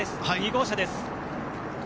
２号車です。